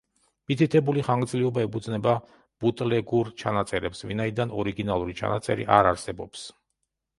მითითებული ხანგრძლივობა ეფუძნება ბუტლეგურ ჩანაწერებს, ვინაიდან ორიგინალური ჩანაწერი არ არსებობს.